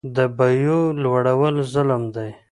د بیو لوړول ظلم دی